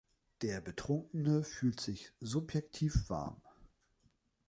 Der Betrunkene fühlt sich subjektiv warm.